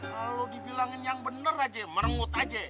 kalau dibilangin yang bener aja merenggut aja